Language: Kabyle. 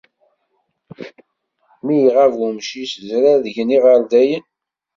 Mi iɣab umcic zrargen iɣerdayen.